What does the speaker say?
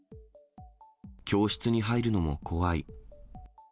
教室に入るのも怖い。